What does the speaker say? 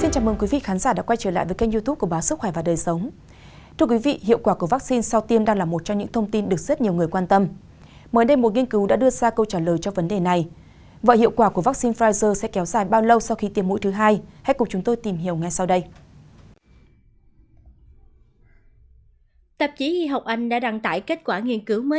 các bạn hãy đăng ký kênh để ủng hộ kênh của chúng mình nhé